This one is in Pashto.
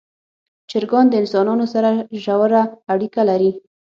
چرګان د انسانانو سره ژوره اړیکه لري.